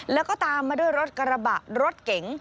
แล้วก็ตามมาด้วยรถกระบะรถเก๋ง